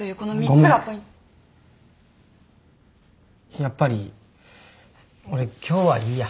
やっぱり俺今日はいいや。